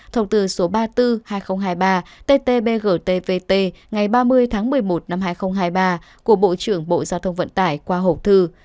thông tư số một mươi chín hai trăm linh năm hai nghìn một mươi chín thông tư số ba mươi bốn hai nghìn hai mươi ba tt bgtvt ngày ba mươi tháng một mươi một hai nghìn hai mươi ba của bộ trưởng bộ giao thông vận tải qua hộp thư